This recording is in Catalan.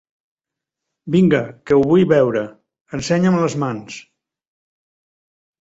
Vinga, que ho vull veure, ensenya'm les mans!